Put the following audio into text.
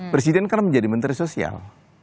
presiden kan menjadi menteri sosial